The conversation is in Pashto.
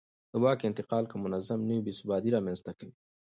د واک انتقال که منظم نه وي بې ثباتي رامنځته کوي